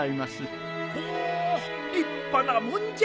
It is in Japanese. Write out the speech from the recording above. ほお立派なもんじゃ。